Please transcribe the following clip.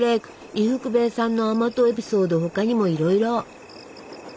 伊福部さんの甘党エピソード他にもいろいろ！